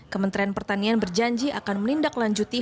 kementerian pertanian berjanji akan menindaklanjuti